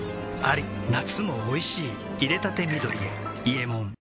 夏もおいしい淹れたて緑へ「伊右衛門」